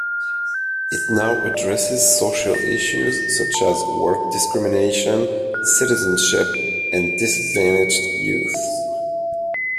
It now addresses social issues such as work discrimination, citizenship, and disadvantaged youth.